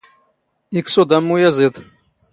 ⵉⴽⵚⵓⴹ ⴰⵎ ⵓⵢⴰⵥⵉⴹ.